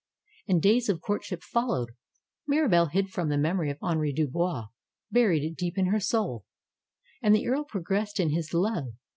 And days of courtship followed. Mirabelle hid from the memory of Henri Dubois; bur ied it deep in her soul. And the earl progressed in his love.